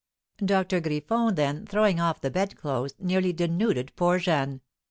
Doctor Griffon then, throwing off the bed clothes, nearly denuded poor Jeanne.